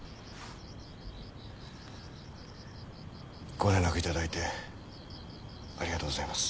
ご連絡頂いてありがとうございます。